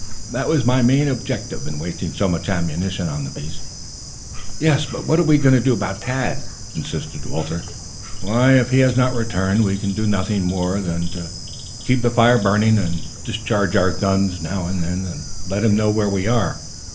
That was my main object in wasting so much ammunition on the beast." "Yes, but what are we going to do about Tad?" insisted Walter. "If he has not returned, we can do nothing more than to keep the fire burning and discharge our guns now and then to let him know where we are.